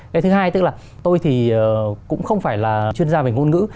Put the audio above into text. cái thứ hai tức là tôi thì cũng không phải là chuyên gia về ngôn ngữ